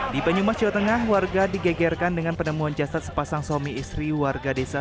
di banyumas jawa tengah warga digegerkan dengan penemuan jasad sepasang suami istri warga desa